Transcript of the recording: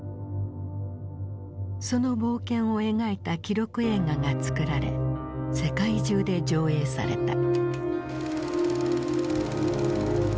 その冒険を描いた記録映画が作られ世界中で上映された。